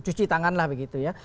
cuci tanganlah begitu ya